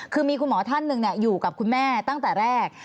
คือมีคุณหมอท่านหนึ่งอยู่กับคุณแม่ตั้งแต่แรก